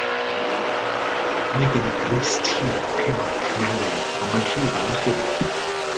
Mae gen i grys T pinc newydd ond mae'n rhy fach i fi.